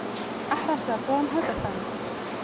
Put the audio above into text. أحرز توم هدفًا.